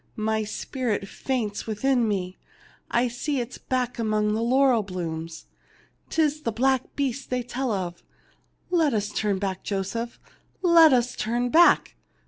My spirit faints within me. I see its back among the laurel blooms. 'Tis the black beast they tell of. Let us turn back, Joseph, let us turn back